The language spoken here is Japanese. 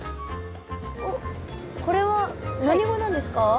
これは何語なんですか？